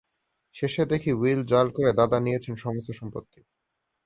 শেষে দেখি উইল জাল করে দাদা নিয়েছেন সমস্ত সম্পত্তি।